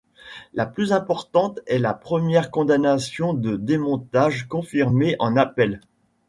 La plus importante est la première condamnation de démontage, confirmée en appel.